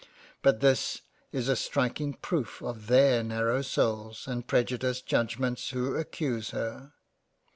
But this is a striking proof of their narrow souls and prejudiced Judge ments who accuse her.